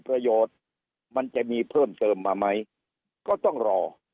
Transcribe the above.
ประโยชน์มันจะมีเพิ่มเติมมาไหมก็ต้องรอ